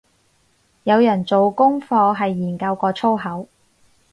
有人做功課係研究過粗口